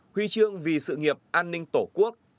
huy trường vì sự nghiệp an ninh tổ quốc